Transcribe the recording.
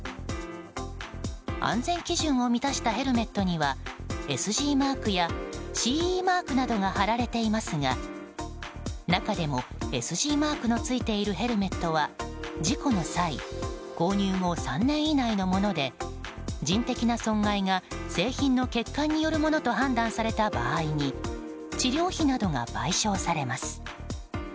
安全基準を満たしたヘルメットにはＳＧマークやＣＥマークなどが貼られていますが中でもＳＧマークのついているヘルメットは事故の際購入後３年以内のもので人的な損害が製品の欠陥によるものと判断された場合に治療費などが賠償されます。